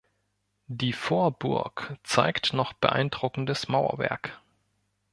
Die Vorburg zeigt noch beeindruckendes Mauerwerk.